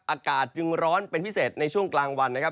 อากาศจึงร้อนเป็นพิเศษในช่วงกลางวันนะครับ